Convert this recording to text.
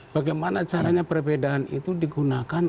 bagaimana caranya perbedaan itu digunakan